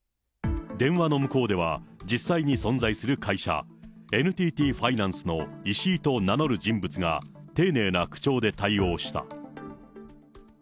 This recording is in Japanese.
電話の向こうでは、実際に存在する会社、ＮＴＴファイナンスのイシイと名乗る人物が丁寧な口調で対応した。